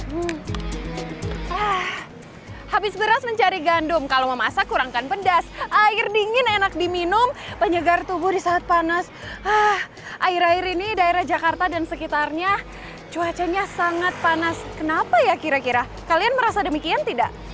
wah habis beras mencari gandum kalau memasak kurangkan pedas air dingin enak diminum penyegar tubuh di saat panas air air ini daerah jakarta dan sekitarnya cuacanya sangat panas kenapa ya kira kira kalian merasa demikian tidak